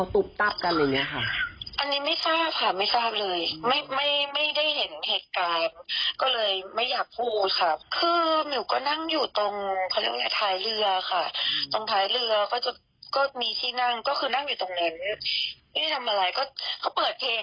แต่เต้นยังสนุกสนานกันอยู่ด้วยครับ